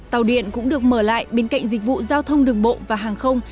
tàu điện cũng được mở lại bên cạnh dịch vụ giao thông đường bộ và hàng không